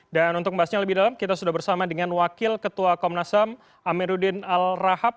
dan untuk bahasnya lebih dalam kita sudah bersama dengan wakil ketua komnas ham amiruddin al rahab